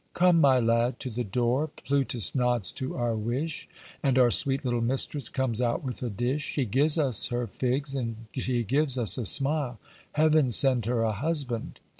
Come, my lad, to the door, Plutus nods to our wish, And our sweet little mistress comes out with a dish; She gives us her figs, and she gives us a smile Heaven send her a husband!